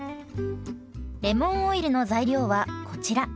レモンオイルの材料はこちら。